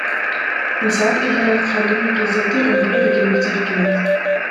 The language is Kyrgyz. Инсанат эл аралык фондунун президенти Өмурбек Эгембердиев кирет.